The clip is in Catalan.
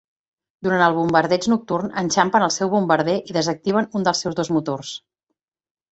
Durant el bombardeig nocturn, enxampen el seu bombarder i desactiven un dels seus dos motors.